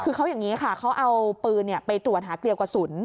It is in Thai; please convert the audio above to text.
คือเขาอย่างนี้ค่ะเขาเอาปืนไปตรวจหาเกลียวกระสุน